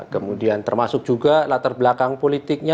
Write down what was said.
kemudian termasuk juga latar belakang politiknya